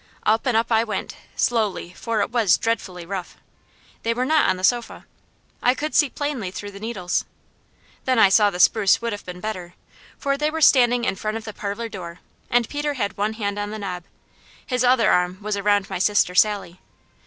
Up and up I went, slowly, for it was dreadfully rough. They were not on the sofa. I could see plainly through the needles. Then I saw the spruce would have been better, for they were standing in front of the parlour door and Peter had one hand on the knob. His other arm was around my sister Sally.